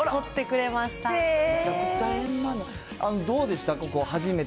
どうでした？